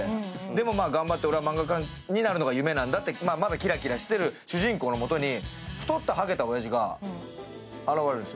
でも、頑張って俺は漫画家になるのが夢なんだとまだキラキラしている主人公のもとに太ったはげの男が現れるんで